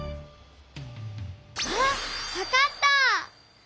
あっわかった！